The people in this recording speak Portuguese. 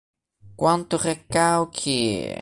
Quanto recalque